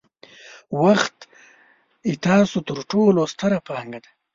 وخت ستاسو ترټولو ستره پانګه ده.